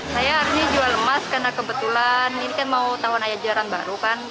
saya hari ini jual emas karena kebetulan ini kan mau tahun ajaran baru kan